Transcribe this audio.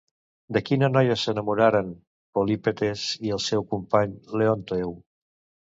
De quina noia s'enamoraren, Polipetes i el seu company Leonteu?